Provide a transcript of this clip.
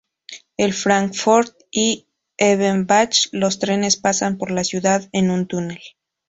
En Fráncfort y Offenbach los trenes pasan por la ciudad en un túnel.